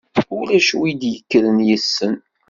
Ulac win i d-yekkren yessen.